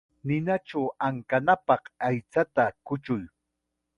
Ninachaw ankanapaq aychata kuchuy.